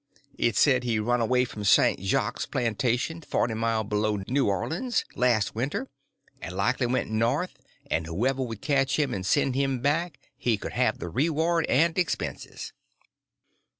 It said he run away from St. Jacques' plantation, forty mile below New Orleans, last winter, and likely went north, and whoever would catch him and send him back he could have the reward and expenses.